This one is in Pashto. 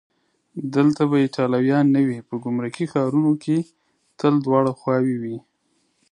دلته به ایټالویان نه وي؟ په ګمرکي ښارونو کې تل دواړه خواوې وي.